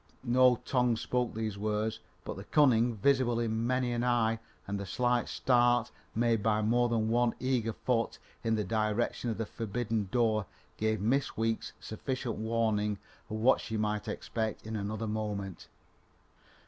No tongue spoke these words, but the cunning visible in many an eye and the slight start made by more than one eager foot in the direction of the forbidden door gave Miss Weeks sufficient warning of what she might expect in another moment.